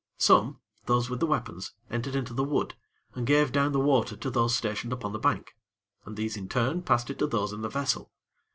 Some, those with the weapons, entered into the wood, and gave down the water to those stationed upon the bank, and these, in turn, passed it to those in the vessel.